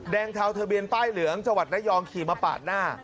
เทาทะเบียนป้ายเหลืองจังหวัดระยองขี่มาปาดหน้า